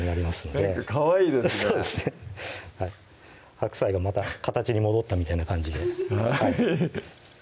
白菜がまた形に戻ったみたいな感じではいヘヘヘ